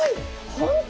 本当